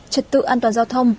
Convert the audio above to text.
trật tự an toàn giao thông